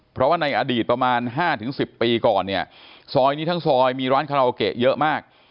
เพราะว่าในอดีตประมาณ๕๑๐ปีก่อนเนี่ยซอยนี้ทั้งซอยมีร้านคาราโอเกะเยอะมาก